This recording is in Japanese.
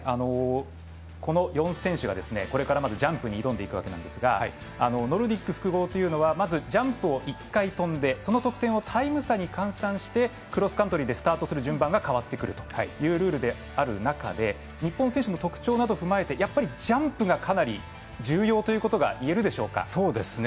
この４選手がこれからジャンプに挑んでいくわけですがノルディック複合というのはまず、ジャンプを１回飛んでその得点をタイム差に換算してクロスカントリーでスタートする順番が変わってくるというルールである中で日本選手の特徴など踏まえてジャンプが重要ということが言えるでしょうか。